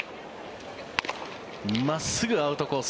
真っすぐ、アウトコース